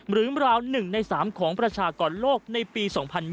ราว๑ใน๓ของประชากรโลกในปี๒๐๒๐